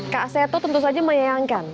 kak seto tentu saja menyayangkan